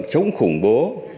chống khủng bố